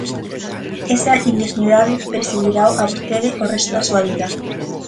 Esa indignidade perseguirao a vostede o resto da súa vida.